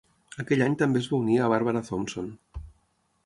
Aquell any també es va unir a Barbara Thompson.